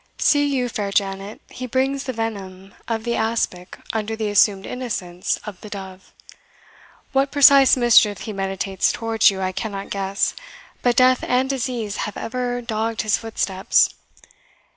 See you, fair Janet, he brings the venom of the aspic under the assumed innocence of the dove. What precise mischief he meditates towards you I cannot guess, but death and disease have ever dogged his footsteps.